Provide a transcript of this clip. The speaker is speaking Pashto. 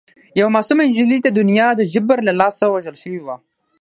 یوه معصومه نجلۍ د دنیا د جبر له لاسه وژل شوې وه